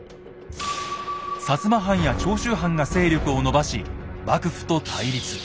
摩藩や長州藩が勢力を伸ばし幕府と対立。